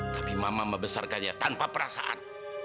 tapi mama membesarkannya tanpa perasaan